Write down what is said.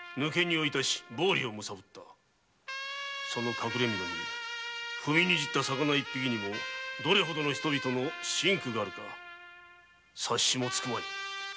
隠れ蓑にした魚一匹にもどれほどの人々の辛苦があるか察しもつくまい。